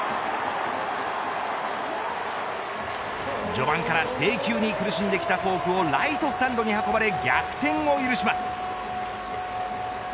序盤から制球に苦しんできたフォークをライトスタンドに運ばれ逆転を許します。